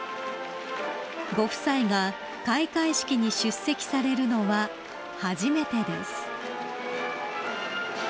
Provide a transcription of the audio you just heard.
［ご夫妻が開会式に出席されるのは初めてです］